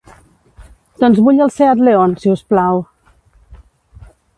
Doncs vull el Seat León, si us plau.